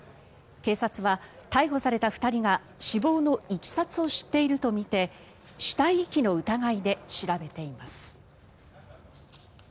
警察は逮捕された２人が死亡のいきさつを知っているとみて死体遺棄の疑いで調べています。